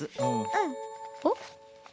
うんおっ？